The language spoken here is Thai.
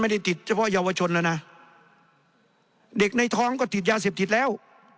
เด็กในท้องก็ติดยาเสพติดแล้ว